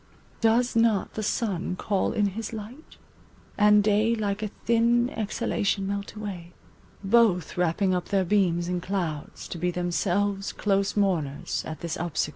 Does not the sun call in his light? and day Like a thin exhalation melt away— Both wrapping up their beams in clouds to be Themselves close mourners at this obsequ